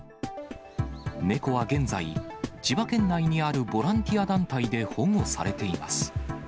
猫は現在、千葉県内にあるボランティア団体で保護されています。